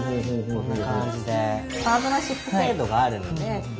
こんな感じで。